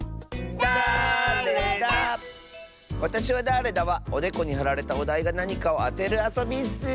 「わたしはだれだ？」はおでこにはられたおだいがなにかをあてるあそびッス！